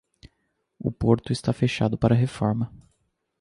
O porto está fechado para reforma.